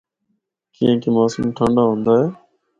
کیّانکہ موسم ٹھنڈا ہوندا اے۔